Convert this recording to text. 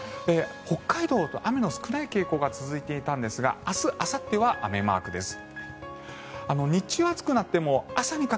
北海道、雨の少ない傾向が続いていたんですが明日あさっては雨マークです。